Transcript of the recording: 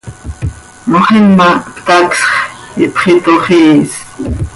Moxima ihptacsx, ihpxitoxiis.